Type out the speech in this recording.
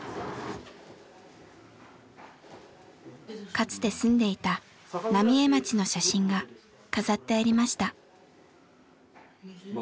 かつて住んでいた浪江町の写真が飾ってありました。